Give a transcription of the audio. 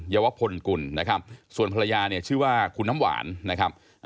วพลกุลนะครับส่วนภรรยาเนี่ยชื่อว่าคุณน้ำหวานนะครับ